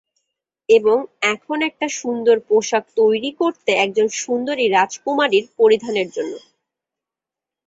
এবং এখন একটা সুন্দর পোশাক তৈরি করতে, একজন সুন্দরী রাজকুমারীর পরিধানের জন্য।